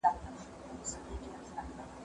زه پرون منډه ووهله؟!